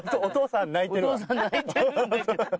お父さん泣いてるんですけど！